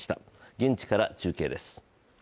現地から中継です。